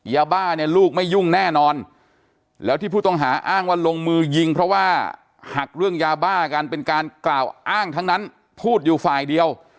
ยาบ้าเนี่ยลูกไม่ยุ่งแน่นอนแล้วที่ผู้ต้องหาอ้างว่าลงมือยิงเพราะว่าหักเรื่องยาบ้ากันเป็นการกล่าวอ้างทั้งนั้นพูดอยู่ฝ่ายเดียว